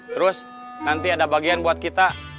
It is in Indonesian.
terus nanti ada bagian buat kita